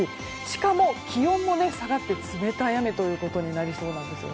しかも、気温も下がって冷たい雨となりそうです。